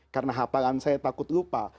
karena hafalan saya takut lupa